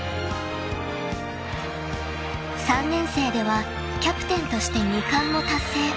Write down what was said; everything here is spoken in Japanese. ［３年生ではキャプテンとして２冠も達成］